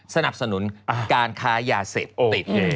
สนับสนุนการค้ายาเสพติด